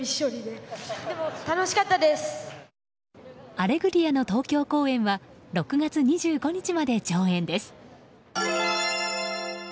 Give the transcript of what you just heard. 「アレグリア」の東京公演は６月２５日まで上演です。